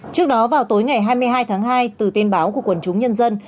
trước đó vào tối ngày hai mươi hai tháng hai từ tin báo của quần chúng nhân dân